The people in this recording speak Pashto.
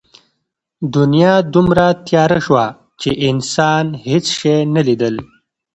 دنیا دومره تیاره شوه چې انسان هېڅ شی نه لیدل.